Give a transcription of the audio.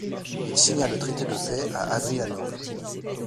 Il signa le traité de paix à Adrianople.